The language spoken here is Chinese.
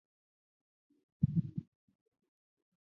好友伍佰担任台北第二场特别嘉宾。